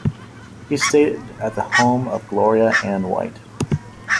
He stayed at the home of Gloria Ann White.